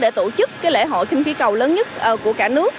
để tổ chức cái lễ hội khinh khí cầu lớn nhất của cả nước